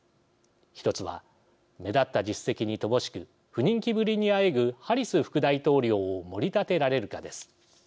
一つは目立った実績に乏しく不人気ぶりにあえぐハリス副大統領をもり立てられるかです。